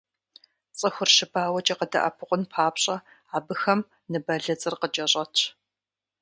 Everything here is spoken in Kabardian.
Цӏыхур щыбауэкӏэ къыдэӏэпыкъун папщӏэ, абыхэм ныбэлыцӏыр къыкӏэщӏэтщ.